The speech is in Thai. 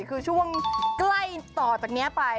คือช่วงใกล้ต่อจากนี้ไป